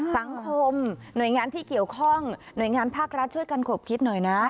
สังคมหน่วยงานที่เกี่ยวข้องหน่วยงานภาครัฐช่วยกันขบคิดหน่อยนะ